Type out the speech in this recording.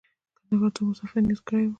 کندهار ته مو د سفر نیت کړی و.